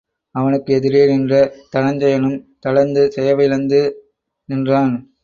அவனுக்கு எதிரே நின்ற தனஞ்சயனும் தளர்ந்து செயவிழந்து நின்றான்.